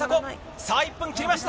さあ、１分切りました。